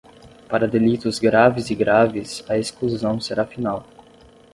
Para delitos graves e graves, a exclusão será final.